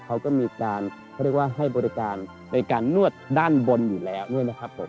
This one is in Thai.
เขาก็มีการเขาเรียกว่าให้บริการในการนวดด้านบนอยู่แล้วด้วยนะครับผม